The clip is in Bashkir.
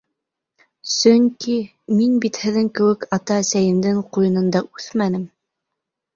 Сөнки... мин бит һеҙҙең кеүек ата-әсәйемдең ҡуйынында үҫмәнем.